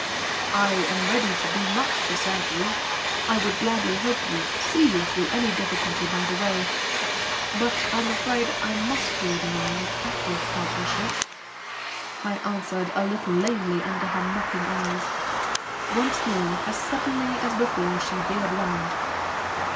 "I am ready to do much to serve you. I would gladly help you, see you through any difficulty by the way, but I'm afraid I must draw the line at active partnership," I answered a little lamely under her mocking eyes. Once more, as suddenly as before, she veered round.